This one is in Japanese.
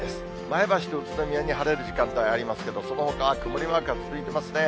前橋と宇都宮に晴れる時間帯ありますけど、そのほかは曇りマークが続いてますね。